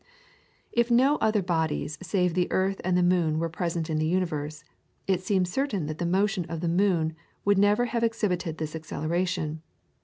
If no other bodies save the earth and the moon were present in the universe, it seems certain that the motion of the moon would never have exhibited this acceleration.